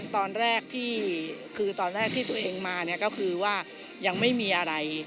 ตอนแรกที่ตัวเองมานี่ก็คือว่ายังไม่มีอะไร